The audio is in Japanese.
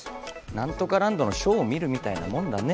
なんとかランドのショーを見るみたいなもんだね。